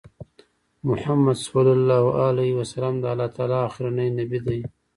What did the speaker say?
محمد صلی الله عليه وسلم د الله تعالی آخرنی نبی دی